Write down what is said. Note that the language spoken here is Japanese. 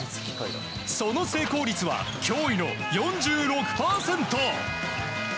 その成功率は驚異の４６％。